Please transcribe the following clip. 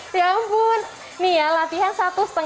dan juga untuk mencoba menggunakan kaki yang berkualitas